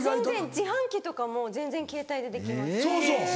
自販機とかも全然ケータイでできます。